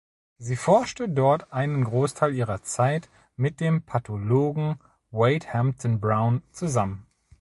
Sie forschte dort einen Großteil ihrer Zeit mit dem Pathologen Wade Hampton Brown zusammen.